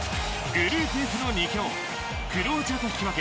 グループＦの２強クロアチアと引き分け